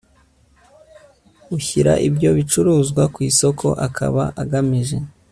ushyira ibyo bicuruzwa ku isoko akaba agamije